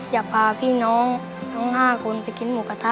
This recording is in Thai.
อยากพาพี่น้องทั้ง๕คนไปกินหมูกระทะ